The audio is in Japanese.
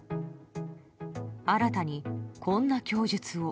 新たにこんな供述を。